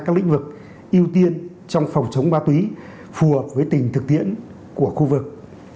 các lĩnh vực ưu tiên trong phòng chống ma túy phù hợp với tình thực tiễn của khu vực